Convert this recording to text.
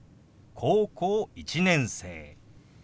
「高校１年生」。